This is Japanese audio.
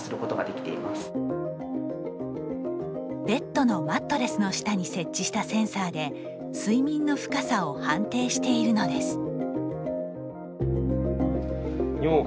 ベッドのマットレスの下に設置したセンサーで睡眠の深さを判定しているのです。